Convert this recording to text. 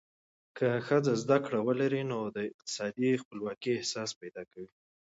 که ښځه زده کړه ولري، نو د اقتصادي خپلواکۍ احساس پیدا کوي.